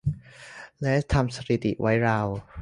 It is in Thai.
และทำสถิติไว้ราว